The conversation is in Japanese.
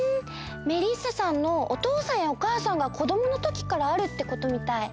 メリッサさんのおとうさんやおかあさんが子どものときからあるってことみたい。